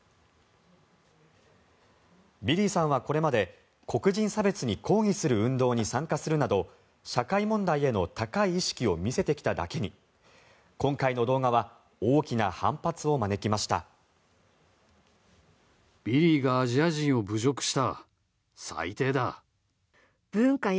ビリーさんはこれまで黒人差別に抗議する運動に参加するなど社会問題への高い意識を見せてきただけに今回の動画は大きな反発を招きました。